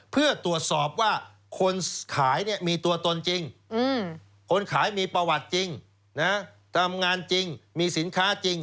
เพื่อตรวจสอบว่าคนขายเนี่ยมีตัวตนจริงคนขายมีประวัติจริงนะทำงานจริงมีสินค้าจริง